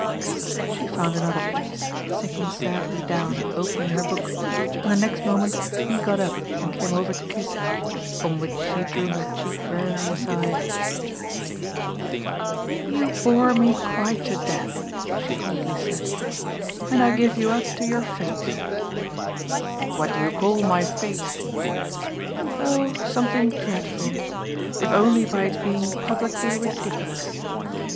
She found another place, sinking sadly down and opening her book, and the next moment he got up and came over to kiss her, on which she drew her cheek wearily aside. "You bore me quite to death," she coldly said, "and I give you up to your fate." "What do you call my fate?" "Oh something dreadful if only by its being publicly ridiculous."